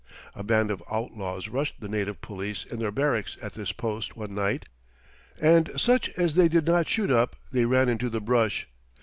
A band of outlaws rushed the native police in their barracks at this post one night, and such as they did not shoot up they ran into the brush.